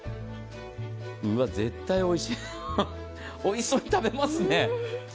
うわ絶対おいしい、おいしそうに食べますね。